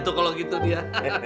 tuh kalau gitu dia